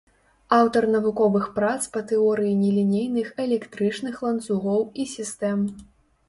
Аўтар навуковых прац па тэорыі нелінейных электрычных ланцугоў і сістэм.